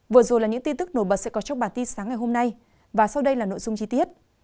vừa rồi là những tin tức nổi bật sẽ có trong bản tin sáng ngày hôm nay và sau đây là nội dung chi tiết